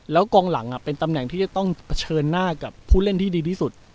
แล้วกองหลังเป็นตำแหน่งที่จะต้องเผชิญหน้ากับผู้เล่นที่ดีที่สุด